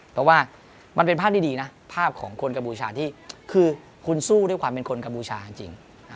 เพราะว่ามันเป็นภาพดีนะภาพของคนกัมพูชาที่คือคุณสู้ด้วยความเป็นคนกัมพูชาจริง